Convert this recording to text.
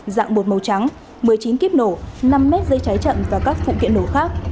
dạng bột màu trắng một mươi chín kíp nổ năm m dây trái chậm và các phụ kiện nổ khác